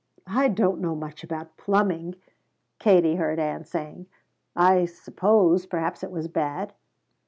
"I don't know much about plumbing," Katie heard Ann saying. "I suppose perhaps it is bad.